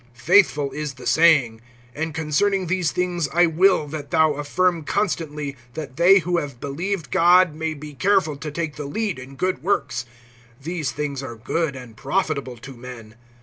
(8)Faithful is the saying; and concerning these things I will that thou affirm constantly, that they who have believed God may be careful to take the lead in good works. These things are good and profitable to men.